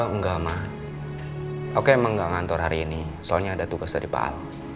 enggak mah oke emang gak ngantor hari ini soalnya ada tugas dari pak al